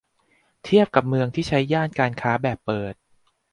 เทียบกับเมืองที่ใช้ย่านการค้าแบบเปิด